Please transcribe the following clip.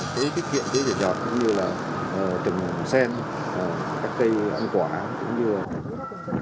cái thiết kiện cái dự trọng cũng như là trừng xem các cây ăn quả cũng như là